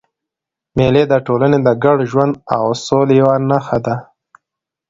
مېلې د ټولني د ګډ ژوند او سولي یوه نخښه ده.